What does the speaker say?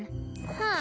はあ。